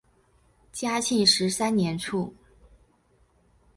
嘉庆十三年卒。